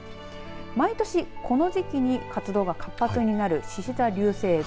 毎年、この時期に活動が活発になるしし座流星群。